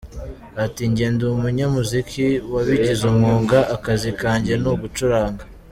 Ati “Njye ndi umunyamuziki wabigize umwuga, akazi kanjye ni ugucuranga.